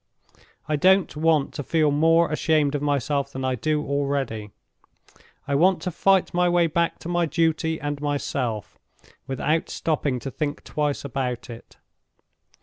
I don't want to feel more ashamed of myself than I do already. I want to fight my way back to my duty and myself, without stopping to think twice about it.